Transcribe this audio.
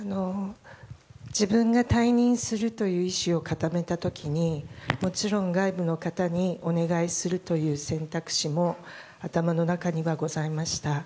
自分が退任するという意思を固めた時にもちろん、外部の方にお願いするという選択肢も頭の中にはございました。